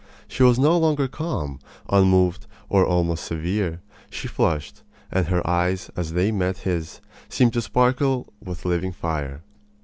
She was no longer calm, unmoved, and almost severe. She flushed, and her eyes as they met his seemed to sparkle with living fire.